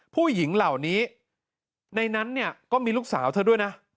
ผู้หญิงเหล่านี้ในนั้นเนี่ยก็มีลูกสาวเธอด้วยนะ